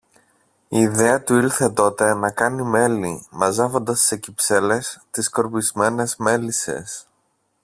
Η ιδέα του ήλθε τότε να κάνει μέλι, μαζεύοντας σε κυψέλες τις σκορπισμένες μέλισσες.